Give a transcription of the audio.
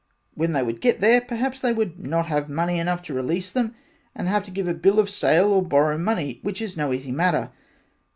When they would get there perhaps not have money enough to release them and have to give a bill of sale or borrow the money which is no easy matter.